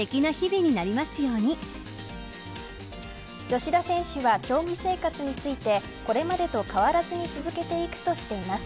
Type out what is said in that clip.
吉田選手は競技生活についてこれまでと変わらずに続けていくとしています。